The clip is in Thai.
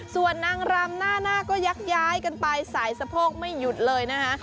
ส่วนนางรำหน้าหน้าก็ยักย้ายกันไปสายสะโพกไม่หยุดเลยนะคะ